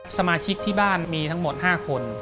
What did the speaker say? สมาชิกที่บ้านมีทั้งหมด๕คน